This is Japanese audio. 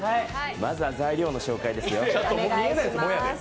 まずは材料の紹介ですよ。